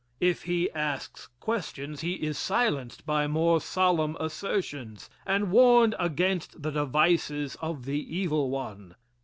If he asks questions, he is silenced by more solemn assertions and warned against the devices of the evil one.